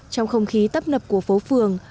trong không khí tấp nập của phố phường